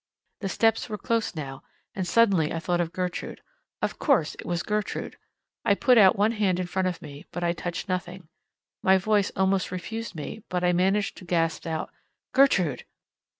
The steps were close now, and suddenly I thought of Gertrude. Of course it was Gertrude. I put out one hand in front of me, but I touched nothing. My voice almost refused me, but I managed to gasp out, "Gertrude!"